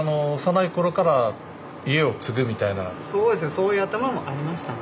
そういう頭もありましたね。